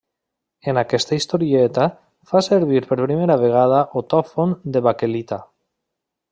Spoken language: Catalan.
En aquesta historieta fa servir per primera vegada otòfon de baquelita.